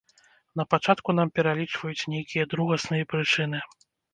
Напачатку нам пералічваюць нейкія другасныя прычыны.